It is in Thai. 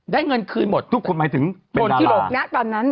ได้เงินคืนหมดโดยที่หลบนะตอนนั้น